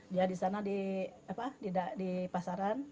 dia di sana di pasaran